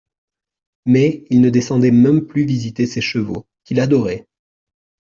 Mais, il ne descendait même plus visiter ses chevaux, qu'il adorait.